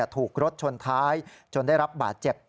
ถูกรถชนท้ายจนได้รับบาดเจ็บ